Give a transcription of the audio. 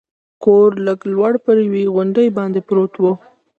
کور لږ لوړ پر یوې غونډۍ باندې پروت و.